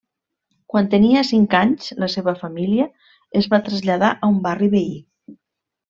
Quan tenia cinc anys, la seva família es va traslladar a un barri veí.